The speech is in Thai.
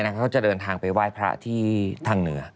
เขาจะเดินทางไปไหว้พระที่ทางเหนือ